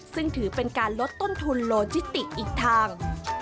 ซึ่งถือเป็นการลดต้นทุนโลจิติอีกทาง